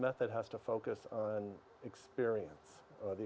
kepada istri saya yang indah